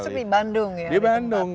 termasuk di bandung ya